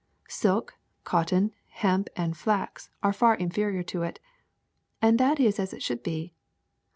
Silk, cotton, hemp, and flax are far inferior to it. And that is as it should be.